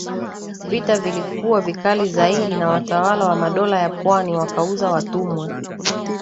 Vita vilikuwa vikali zaidi na Watawala wa madola ya pwani wakauza watumwa